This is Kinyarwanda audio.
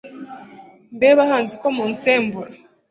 Mbe bahanzi ko munsembura